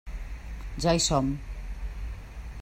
Ja hi som.